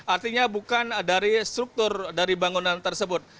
artinya bukan dari struktur dari bangunan tersebut